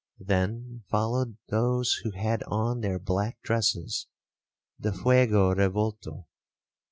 Then followed those who had on their black dresses the fuego revolto.